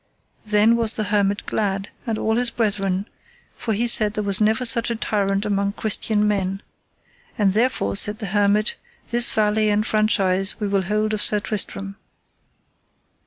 Then was the hermit glad, and all his brethren, for he said there was never such a tyrant among Christian men. And therefore, said the hermit, this valley and franchise we will hold of Sir Tristram.